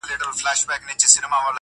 چي له بې ميني ژونده.